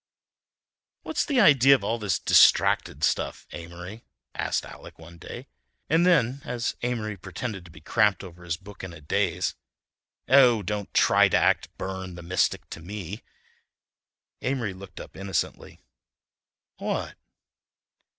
"What's the idea of all this 'distracted' stuff, Amory?" asked Alec one day, and then as Amory pretended to be cramped over his book in a daze: "Oh, don't try to act Burne, the mystic, to me." Amory looked up innocently. "What?"